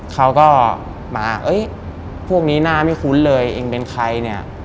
เขาก็มาเอ้ยพวกนี้หน้าไม่คุ้นเลยเองเป็นใครเนี่ย